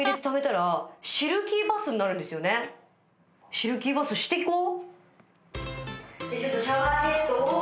シルキーバスしていこう。